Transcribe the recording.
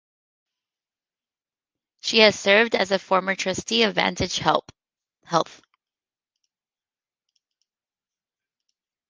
She has served as a former Trustee of Vantage Health.